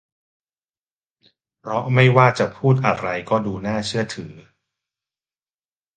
เพราะไม่ว่าจะพูดอะไรก็ดูน่าเชื่อถือ